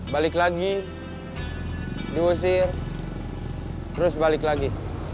balik lagi diusir terus balik lagi